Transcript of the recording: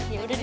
ya udah deh